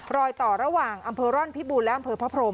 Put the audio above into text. รอยต่อระหว่างอำเภอร่อนพิบูรณและอำเภอพระพรม